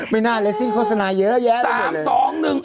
ไม่น่าแล้วซิโฆษณาเยอะแยะเลย